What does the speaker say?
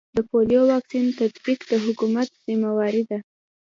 د پولیو واکسین تطبیق د حکومت ذمه واري ده